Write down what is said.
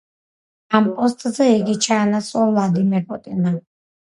ამ პოსტზე იგი ჩაანაცვლა ვლადიმერ პუტინმა.